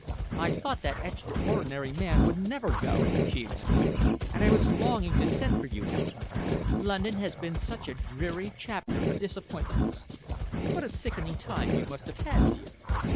"I thought that extraordinary man would never go," she exclaimed, "and I was longing to send for you, Helen. London has been such a dreary chapter of disappointments." "What a sickening time you must have had, dear!"